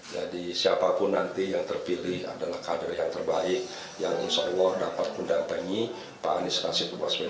jadi siapapun nanti yang terpilih adalah kader yang terbaik yang insya allah dapat mendampingi pak anies nasib buas medan